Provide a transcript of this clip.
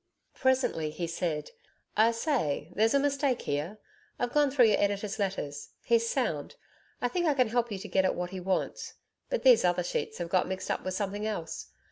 Presently he said: 'I say, there's a mistake here. I've gone through your editor's letters. He's sound; I think I can help you to get at what he wants. But these other sheets have got mixed up with something else.